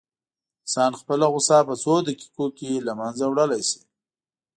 انسان خپله غوسه په څو دقيقو کې له منځه وړلی شي.